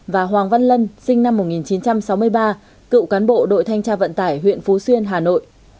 và hoàng văn lân sinh năm một nghìn chín trăm sáu mươi ba cựu cán bộ đội thanh tra vận tải huyện phú xuyên hà nội